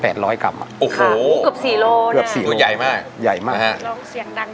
โอ้โฮนี่กว่า๔โลกรัมนะครับดูใหญ่มากนะฮะร้องเสียงดังมาก